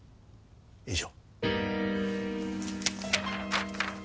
以上。